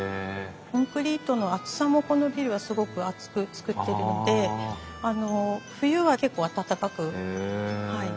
コンクリートの厚さもこのビルはすごく厚く造ってるのであの冬は結構暖かくなります。